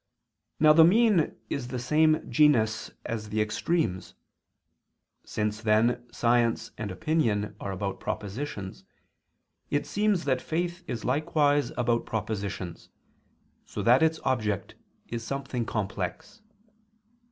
Now the mean is in the same genus as the extremes. Since, then, science and opinion are about propositions, it seems that faith is likewise about propositions; so that its object is something complex.